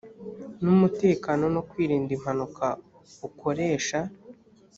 n umutekano no kwirinda impanuka ukoresha